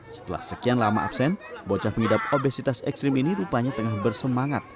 setelah sekian lama absen bocah pengidap obesitas ekstrim ini rupanya tengah bersemangat